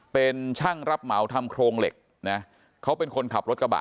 เป็นช่างรับเหมาทำโครงเหล็กนะเขาเป็นคนขับรถกระบะ